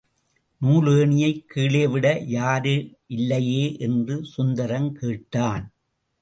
நூலேணியைக் கீழே விட யாரு இல்லையே! என்று சுந்தரம் கேட்டான்.